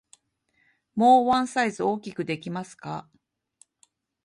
もうワンサイズ大きくできますか？